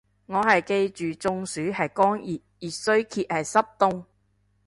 我係記住中暑係乾熱，熱衰竭係濕凍